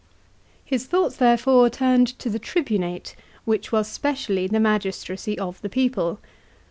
His thoughts therefore turned to the tribunate, which was specially the magistracy of the p> ople.